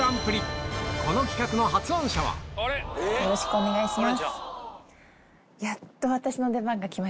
よろしくお願いします。